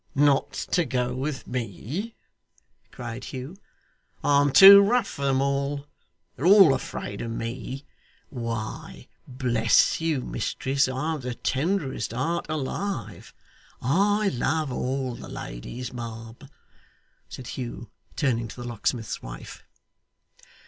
'Not to go with me!' cried Hugh. 'I'm too rough for them all. They're all afraid of me. Why, bless you mistress, I've the tenderest heart alive. I love all the ladies, ma'am,' said Hugh, turning to the locksmith's wife.